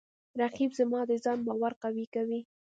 رقیب زما د ځان باور قوی کوي